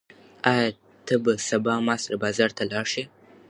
ایا ته به سبا ما سره بازار ته لاړ شې؟